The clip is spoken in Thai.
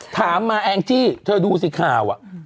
ถามมาแองจี้เธอดูสิข่าว